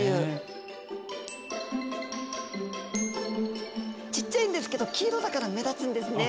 スタジオちっちゃいんですけど黄色だから目立つんですね。